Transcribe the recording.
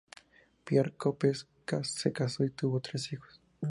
Pierre Cope se casó y tuvo tres hijos.